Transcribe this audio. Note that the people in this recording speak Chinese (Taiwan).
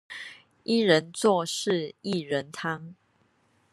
一人做事薏仁湯